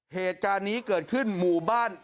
เหตุการณ์นี้เกิดขึ้นหมู่บ้าน